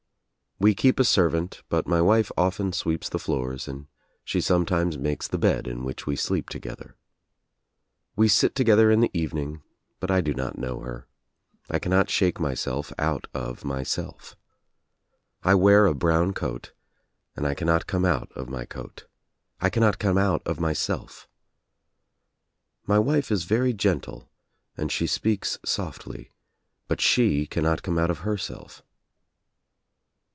We keep a servant but my wife often sweeps the floors and she sometimes makes the bed in which we sleep together. We sit to gether in the evening but I do not know her. I cannot shake myself out of myself. I wear a brown coat and I cannot come out of my coat. I cannot come out of myself. My wife is very gentle and she speaks softly tut she cannot come out of herself.